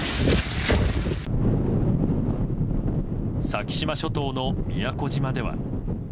先島諸島の宮古島では。